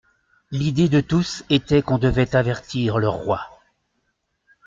L'idée de tous était qu'on devait avertir le roi.